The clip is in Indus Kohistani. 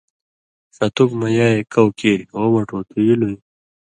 ݜتُک مہ یائے کؤ کیریۡ۔”او مٹُو تُو ایلُوئ“